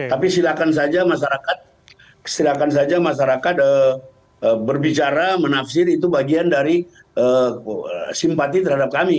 tapi silakan saja masyarakat berbicara menafsir itu bagian dari simpati terhadap kami